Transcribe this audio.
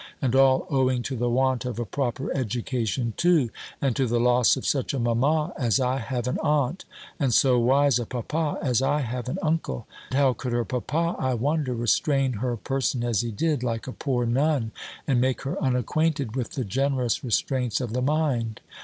And all owing to the want of a proper education too! And to the loss of such a mamma, as I have an aunt; and so wise a papa as I have an uncle! How could her papa, I wonder, restrain her person as he did, like a poor nun, and make her unacquainted with the generous restraints of the mind?